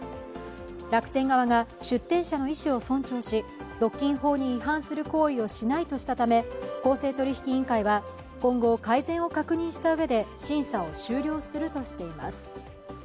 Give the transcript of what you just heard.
楽天側が、出店者の意思を尊重し独禁法に違反する行為をしないとしたため、公正取引委員会は今後、改善を確認したうえで審査を終了するとしています。